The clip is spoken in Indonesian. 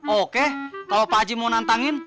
oke kalau pak haji mau nantangin